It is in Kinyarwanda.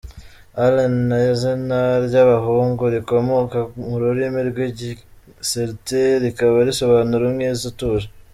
Alain ni izina ry’abahungu rikomoka mu rurimi rw’Igicelte rikaba risobanura “Umwiza utuje”.